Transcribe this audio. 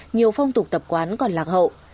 nhiều phong tục tập quán còn lạc hậu